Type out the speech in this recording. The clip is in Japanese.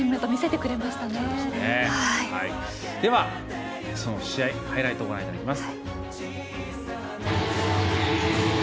では、その試合ハイライトをご覧いただきます。